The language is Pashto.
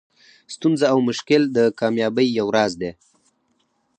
ستونزه او مشکل د کامیابۍ یو راز دئ.